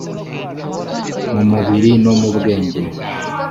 mu mubiri no mu bwenge